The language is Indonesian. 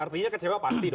artinya kecewa pasti dong